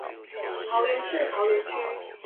桃園市桃園區